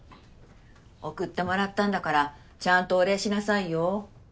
送ってもらったんだからちゃんとお礼しなさいよ。